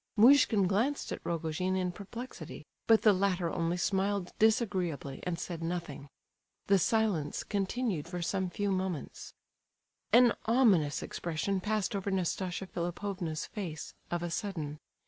Muishkin glanced at Rogojin in perplexity, but the latter only smiled disagreeably, and said nothing. The silence continued for some few moments. An ominous expression passed over Nastasia Philipovna's face, of a sudden.